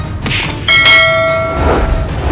aku akan terus memburumu